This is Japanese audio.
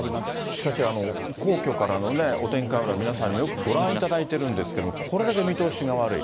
しかし、皇居からのお天気カメラ、皆さんにもよくご覧いただいてるんですけれども、これだけ見通しが悪い。